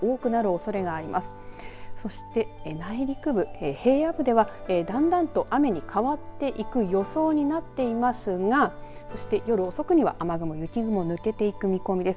そして内陸部平野部ではだんだんと雨に変わっていく予想になっていますが夜遅くには雨雲雪雲、抜けていく見込みです。